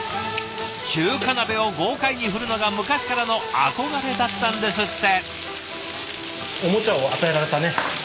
中華鍋を豪快に振るのが昔からの憧れだったんですって。